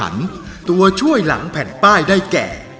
ร้านแข่งขันตัวช่วยหลังแผ่นป้ายได้แก่